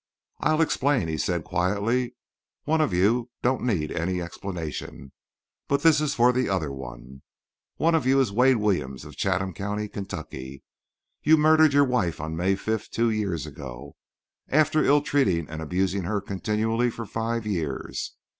"I'll explain," he said, quietly. "One of you don't need any explanation, but this is for the other one. One of you is Wade Williams of Chatham County, Kentucky. You murdered your wife on May 5, two years ago, after ill treating and abusing her continually for five years.